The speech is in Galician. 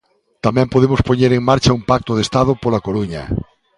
Tamén podemos poñer en marcha un pacto de Estado pola Coruña.